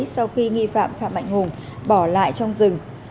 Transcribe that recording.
sau khi nghi phạm phạm mạnh hùng bỏ lại trong rừng